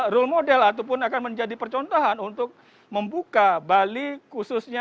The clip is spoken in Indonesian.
role model ataupun akan menjadi percontohan untuk membuka bali khususnya